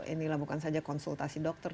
inilah bukan saja konsultasi dokter